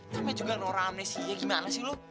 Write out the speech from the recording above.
kamu juga kan orang amnesia gimana sih lo